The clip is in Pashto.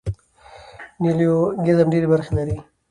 نیولوګیزم ډېري برخي لري.